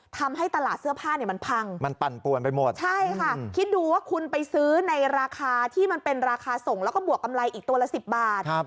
ทำให้ตลาดเสื้อผ้าเนี่ยมันพังมันปั่นปวนไปหมดใช่ค่ะคิดดูว่าคุณไปซื้อในราคาที่มันเป็นราคาส่งแล้วก็บวกกำไรอีกตัวละ๑๐บาท